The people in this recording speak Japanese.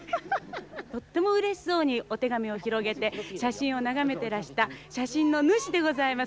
とってもうれしそうにお手紙を広げて写真を眺めてらした写真の主でございます。